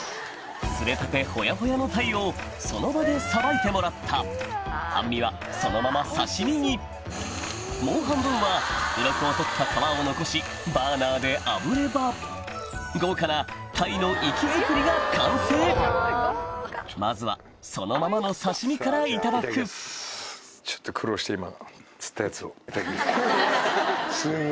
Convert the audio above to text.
釣れたてほやほやの鯛をその場でさばいてもらった半身はそのまま刺し身にもう半分はうろこを取った皮を残しバーナーであぶれば豪華なが完成まずはそのままの刺し身からいただくいただきます。